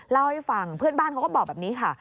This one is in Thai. เล่าให้ฟังเพื่อนบ้านเขาก็บอกแบบนี้ค่ะ